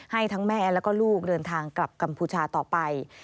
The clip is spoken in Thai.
ให้ทั้งแม่แล้วก็ลูกเดินทางกลับกัมพูชาต่อไป